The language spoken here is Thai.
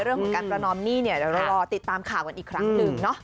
เรื่องของการประนอมนี่เรารอติดตามข่าวกันอีกครั้งหนึ่ง